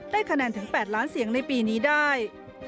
คะแนนถึง๘ล้านเสียงในปีนี้ได้